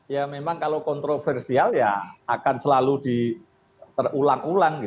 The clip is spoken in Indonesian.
ya memang kalau kontroversial ya akan selalu terulang ulang